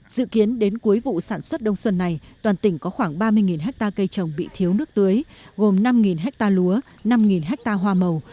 dự kiến đến cuối vụ sản xuất đông xuân này toàn tỉnh có khoảng ba mươi hectare cây trồng bị thiếu nước tưới gồm năm ha lúa năm ha hoa màu